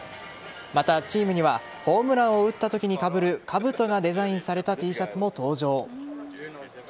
また、チームにはホームランを打った瞬間にかぶるかぶとがデザインされたＴシャツも登場。